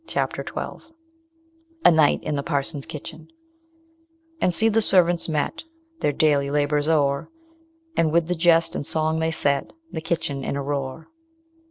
CHAPTER XII A NIGHT IN THE PARSON'S KITCHEN "And see the servants met, Their daily labour's o'er; And with the jest and song they set The kitchen in a roar."